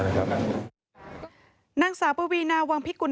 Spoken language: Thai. นางสาวปวีนาวังพิกุล